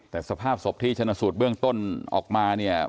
แต่สภาพบุธที่หัวหน้าสูทเบื้องต้นออกมาเนี่ย